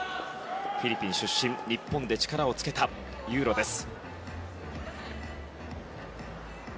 フィリピン出身日本で力をつけたユーロです。